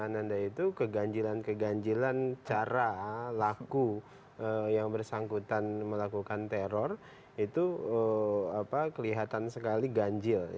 ananda itu keganjilan keganjilan cara laku yang bersangkutan melakukan teror itu kelihatan sekali ganjil